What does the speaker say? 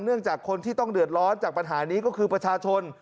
จากคนที่ต้องเดือดร้อนจากปัญหานี้ก็คือประชาชน